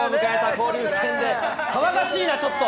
交流戦で、騒がしいな、ちょっと。